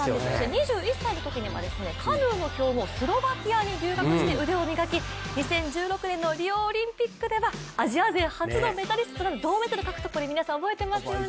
２１歳のときにはカヌーの強豪スロバキアに留学して腕を磨き、２０１６年のリオオリンピックではアジア勢初の銅メダル獲得、これ皆さん覚えてますよね。